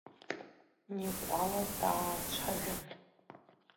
Никәала даацәажәан…